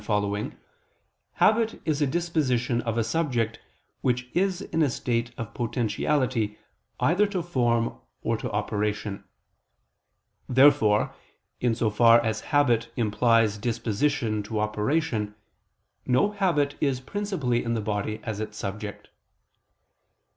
habit is a disposition of a subject which is in a state of potentiality either to form or to operation. Therefore in so far as habit implies disposition to operation, no habit is principally in the body as its subject.